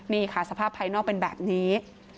นี่ค่ะสภาพภายนอกเป็นแบบนี้